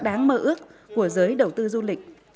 đáng mơ ước của giới đầu tư du lịch